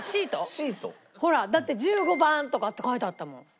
ほらだって１５番とかって書いてあったもん。